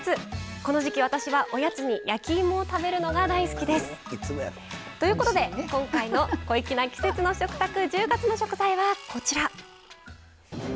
この時季、私は、おやつに焼き芋を食べるのが大好きです。ということで今回の「小粋な季節の食卓」１０月の食材はこちら。